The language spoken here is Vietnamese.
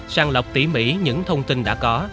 sàng lọc tỉ mỉ những thông tin đã có